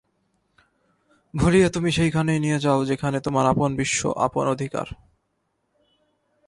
ভুলিয়ে তুমি সেইখানেই নিয়ে যাও যেখানে তোমার আপন বিশ্ব, আপন অধিকার।